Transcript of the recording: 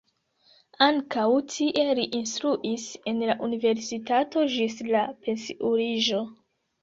Ankaŭ tie li instruis en universitato ĝis la pensiuliĝo.